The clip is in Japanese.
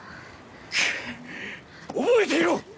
くっ覚えていろ！